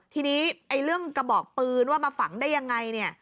ทีนี้ไอ้เรื่องกระบอกปืนว่ามาฝังได้ยังไงเนี่ย